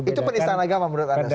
itu penistaan agama menurut anda